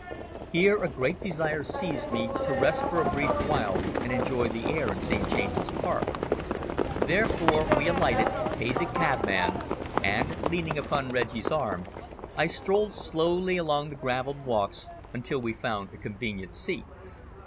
Here a great desire seized me to rest for a brief while and enjoy the air in St. James's Park; therefore we alighted, paid the cabman, and, leaning upon Reggie's arm, I strolled slowly along the gravelled walks until we found a convenient seat.